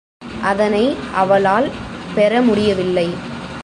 அதனை அவளால் பெற முடியவில்லை.